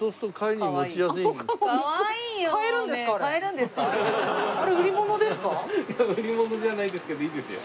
いや売り物じゃないですけどいいですよ。